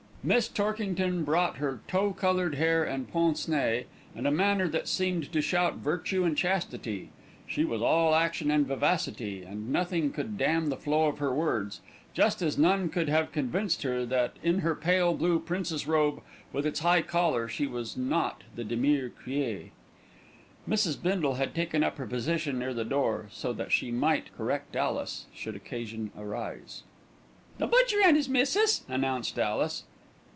Miss Torkington brought her tow coloured hair and pince nez, and a manner that seemed to shout virtue and chastity. She was all action and vivacity, and nothing could dam the flow of her words, just as none could have convinced her that in her pale blue princess robe with its high collar she was not the dernière crie. Mrs. Bindle had taken up her position near the door, so that she might correct Alice, should occasion arise. "The butcher and 'is missus," announced Alice.